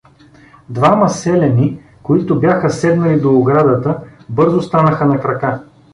Двама селяни, които бяха седнали до оградата, бързо станаха на крака.